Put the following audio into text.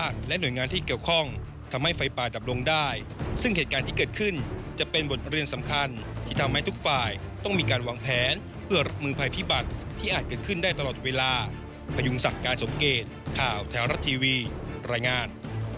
สเตนบายอย่างเดียวรอว่ามันจะเกิดขึ้นไหมครับ